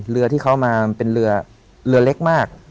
เรือที่เขามาเป็นเรือเรือเล็กมาก